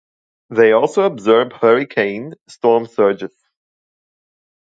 They also absorb hurricane storm surges.